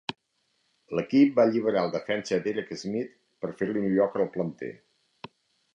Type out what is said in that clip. L'equip va alliberar el defensa Derek Smith per fer-li un lloc al planter.